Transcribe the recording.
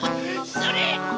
それ！